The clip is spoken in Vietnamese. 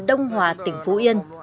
đông hòa tỉnh phú yên